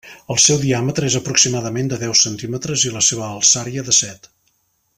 El seu diàmetre és aproximadament de deu centímetres i la seua alçària de set.